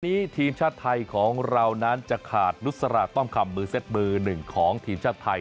ทีมชาติไทยของเรานั้นจะขาดนุษราต้อมคำมือเซ็ตมือหนึ่งของทีมชาติไทย